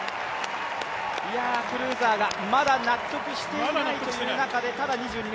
クルーザーがまだ納得していないという中で、ただ２２ｍ７１。